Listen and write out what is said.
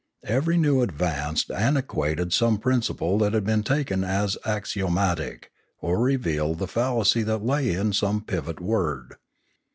Every new advance antiquated some principle that had been taken as axiomatic, or revealed the fallacy that lay in some pivot word.